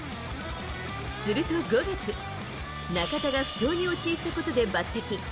すると５月、中田が不調に陥ったことで抜てき。